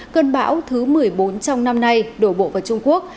cơn bão thứ một mươi bốn trong năm nay đổ bộ vào trung quốc